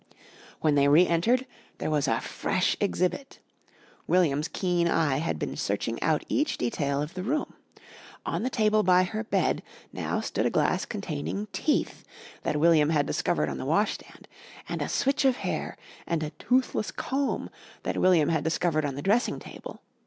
When they re entered there was a fresh exhibit. William's keen eye had been searching out each detail of the room. On the table by her bed now stood a glass containing teeth, that William had discovered on the washstand, and a switch of hair and a toothless comb, that William had discovered on the dressing table.